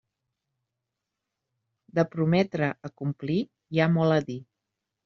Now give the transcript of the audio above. De prometre a complir hi ha molt a dir.